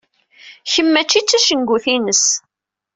Kemm mačči d tacengut-ines.